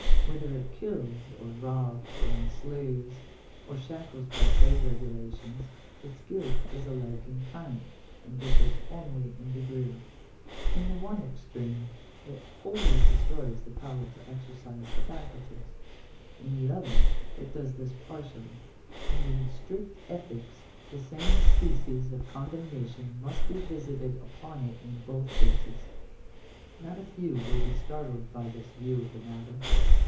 Whether it kills, or robs, or enslaves, or shackles by trade regulations, its guilt is alike in kind, and differs only in degree. In the one ex treme it wholly destroys the power to exercise the faculties ; in the other it does this partially. And in strict ethics the same species of condemnation must be visited upon it in both cases. §2. Not a few will be startled by this view of the matter.